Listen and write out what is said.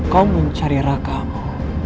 kau mencari rakamu